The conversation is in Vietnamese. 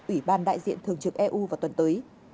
ủy ban đại diện thường trực eu vào tuần tới